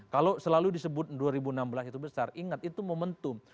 kalau selalu disebut dua ribu enam belas itu besar ingat itu momentum